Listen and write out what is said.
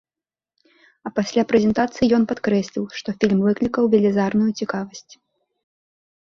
А пасля прэзентацыі ён падкрэсліў, што фільм выклікаў велізарную цікавасць.